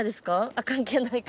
あっ関係ないか。